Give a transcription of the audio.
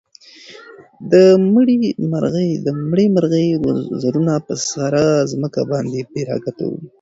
د مړې مرغۍ وزرونه په سړه ځمکه باندې بې حرکته وو.